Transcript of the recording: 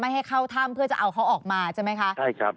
ไม่ให้เข้าถ้ำเพื่อจะเอาเขาออกมาใช่ไหมคะ